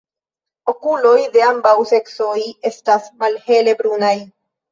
Okuloj de ambaŭ seksoj estas malhele brunaj.